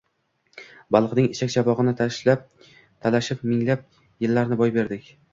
— baliqning ichak-chavog‘ini talashib minglab yillarni boy berdik…